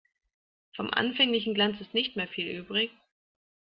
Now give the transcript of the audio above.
Vom anfänglichen Glanz ist nicht mehr viel übrig.